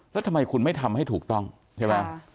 แล้วทำไมคุณไม่ทำให้ถูกต้องใช่ไหม